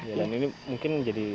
ya dan ini mungkin jadi